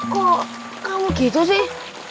kok kamu gitu sih